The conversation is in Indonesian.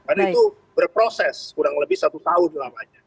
karena itu berproses kurang lebih satu tahun lamanya